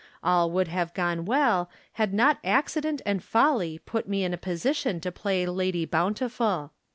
All would have gone well had not accident and folly put me in a position to play Lady Bountiful.